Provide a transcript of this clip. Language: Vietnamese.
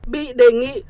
bị đề nghị